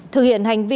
thực hiện hành vi